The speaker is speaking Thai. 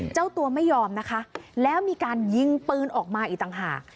เจ้าตัวไม่ยอมนะคะแล้วมีการยิงปืนออกมาอีกต่างหาก